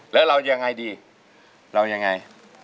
แล้วเรายังไงดีเรายังไง